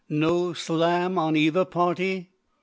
"No slam on either party?"